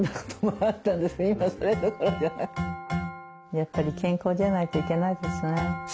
やっぱり健康じゃないといけないですね。